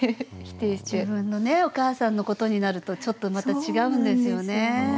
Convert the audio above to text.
自分のねお母さんのことになるとちょっとまた違うんですよね。